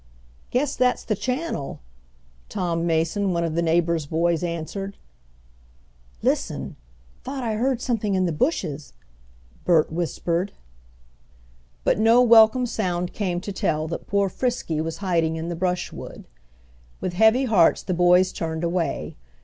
"Guess that's the channel," Tom Mason, one of the neighbors' boys, answered. "Listen! Thought I heard something in the bushes!" Bert whispered. But no welcome sound came to tell that poor Frisky was hiding in the brushwood. With heavy hearts the boys turned away.